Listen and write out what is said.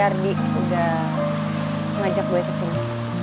terima kasih ardi udah ngajak gue kesini